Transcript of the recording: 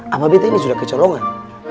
apa beta ini sudah kecolongan